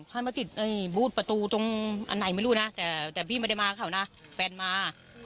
ให้มาติดบูธประตูตรงอันไหนไม่รู้นะแต่พี่ไม่ได้มาเขานะแฟนมา